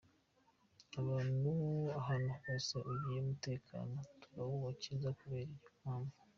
Ahantu hose agiye umutekano turawukaza kubera iyo mpamvu.